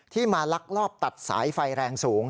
มาลักลอบตัดสายไฟแรงสูง